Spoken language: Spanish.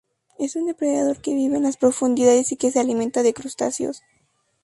Es un depredador que vive en las profundidades y que se alimenta de crustáceos.